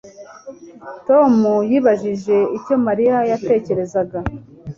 Tom yibajije icyo Mariya yatekerezaga